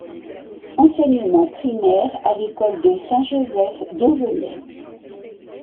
Enseignement primaire à l'école de Saint-Joseph d'Auvelais.